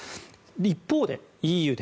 一方でＥＵです。